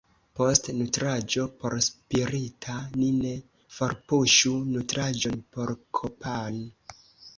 Post nutraĵo porspirita ni ne forpuŝu nutraĵon porkorpan.